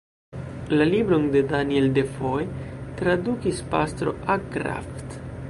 La libron de Daniel Defoe tradukis Pastro A. Krafft.